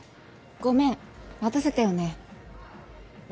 ごめん待たせたよね？